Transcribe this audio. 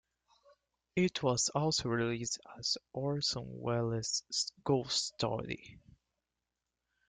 It was also released as "Orson Welles' Ghost Story".